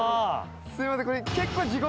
すいませんこれ。